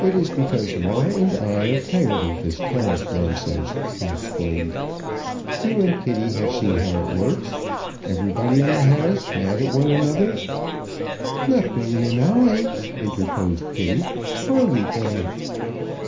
"It is because Laura and I are tired of this tariff nonsense," he explained. "You and Kitty have seen how it works everybody in the house mad at one another " "Not Billy and I," interposed Kitty. "Are we Billy?"